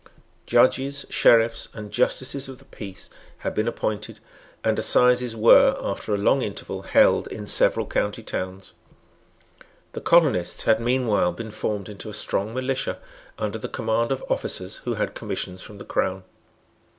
Judges, Sheriffs and Justices of the Peace had been appointed; and assizes were, after a long interval, held in several county towns. The colonists had meanwhile been formed into a strong militia, under the command of officers who had commissions from the Crown.